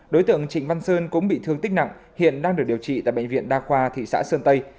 đối tượng trịnh văn sơn cũng bị thương tích nặng hiện đang được điều trị tại bệnh viện đa khoa thị xã sơn tây